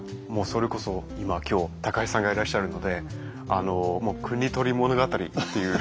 それこそ今今日高橋さんがいらっしゃるので「国盗り物語」っていう。